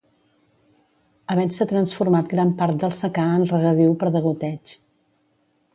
Havent-se transformat gran part del secà en regadiu per degoteig.